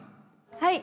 はい。